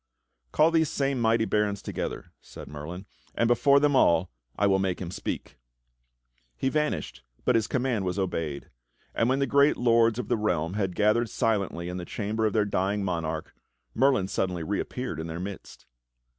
"Call these same mighty barons together," said Merlin, "and before them all I will make him speak." He vanished, but his command was obeyed; and when the great lords of the realm had gathered silently in the chamber of their dying monarch. Merlin suddenly reappeared in their midst.